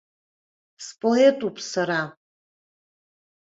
Споетуп сара.